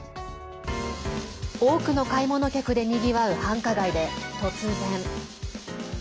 多くの買い物客でにぎわう繁華街で突然。